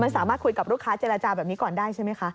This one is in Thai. มันสามารถคุยกับลูกค้าเจรจาแบบนี้ก่อนได้ใช่ไหมคะ